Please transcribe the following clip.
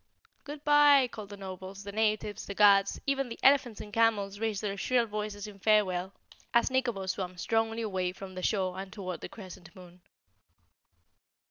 "Goodbye! Goodbye!" called the Nobles, the natives, the guards; even the elephants and camels raised their shrill voices in farewell as Nikobo swam strongly away from the shore and toward the Crescent Moon.